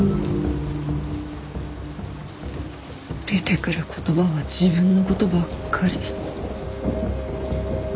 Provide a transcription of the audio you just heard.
出てくる言葉は自分の事ばっかり。